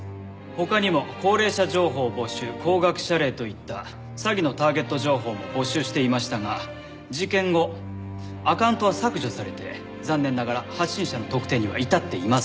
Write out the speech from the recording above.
他にも高齢者情報募集高額謝礼といった詐欺のターゲット情報も募集していましたが事件後アカウントは削除されて残念ながら発信者の特定には至っていません。